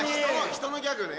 人のギャグね